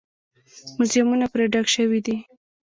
موزیمونه پرې ډک شوي دي.